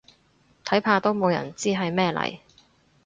睇怕都冇人知係咩嚟